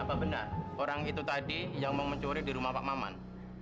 apa benar orang itu tadi yang mau mencuri di rumah pak maman